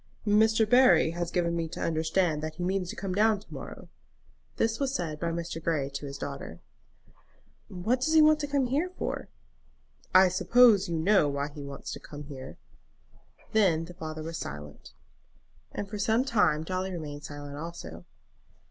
"Mr. Barry has given me to understand that he means to come down to morrow." This was said by Mr. Grey to his daughter. "What does he want to come here for?" "I suppose you know why he wants to come here?" Then the father was silent, and for some time Dolly remained silent also.